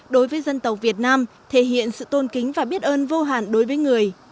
đối với dân tộc việt nam thể hiện sự tôn kính và biết ơn vô hàn đối với người